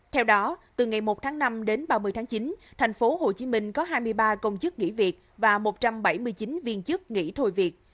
theo đó từ ngày một tháng năm đến ba mươi tháng chín tp hcm có hai mươi ba công chức nghỉ việc và một trăm bảy mươi chín viên chức nghỉ thôi việc